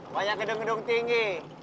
banyak gedung gedung tinggi